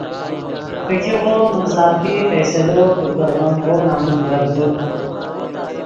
فګیغو من ذاتی فیصلو کہ کڑغیم ڤؤ نمن گپ دے